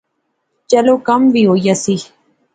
چلو کم وی ہوئی ایسی